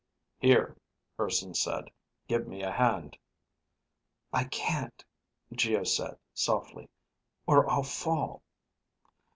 "Here," Urson said. "Give me a hand." "I can't," Geo said softly, "or I'll fall."